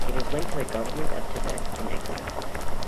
It is linked to the Government of Tibet in Exile.